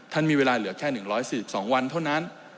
มีเวลาเหลือแค่๑๔๒วันเท่านั้น